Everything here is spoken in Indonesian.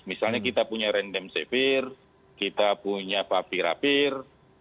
misalnya kita punya rendemsevir kita punya papirapir